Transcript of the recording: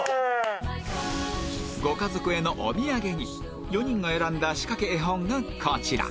ご家族へのおみやげに４人が選んだしかけ絵本がこちら